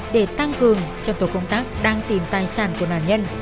để tăng cường cho tổ công tác đang tìm tài sản của nạn nhân